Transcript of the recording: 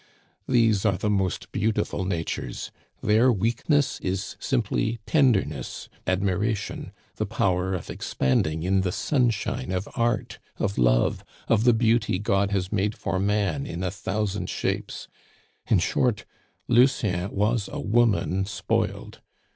These are the most beautiful natures; their weakness is simply tenderness, admiration, the power of expanding in the sunshine of art, of love, of the beauty God has made for man in a thousand shapes! In short, Lucien was a woman spoiled.